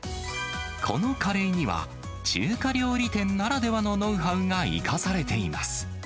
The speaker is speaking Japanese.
このカレーには、中華料理店ならではのノウハウが生かされています。